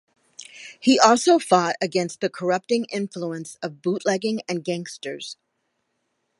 He also fought against the corrupting influence of bootlegging and gangsters.